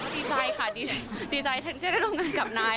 ดีใจค่ะดีใจแทนที่จะได้ทำงานกับนาย